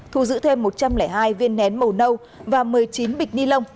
thu giữ thêm một trăm linh hai viên nén màu nâu và một mươi chín bịch ni lông